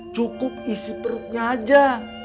cukup isi perutnya aja